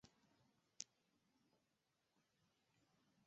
该城市是阿拉斯加州中央东部的城市。